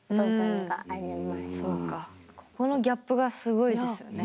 このギャップがすごいですよね